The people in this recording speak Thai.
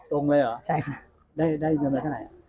ตรงเลยหรือได้เงินเท่าไหร่